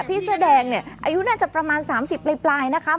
พี่เสื้อแดงเนี่ยอายุน่าจะประมาณ๓๐ปลายนะคะ